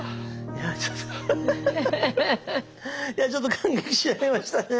いやちょっと感激しちゃいましたね。